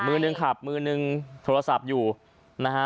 มือหนึ่งขับมือนึงโทรศัพท์อยู่นะฮะ